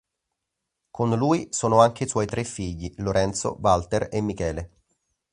Con lui sono anche i suoi tre figli: Lorenzo, Walter e Michele.